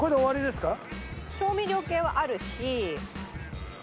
調味料系はあるし。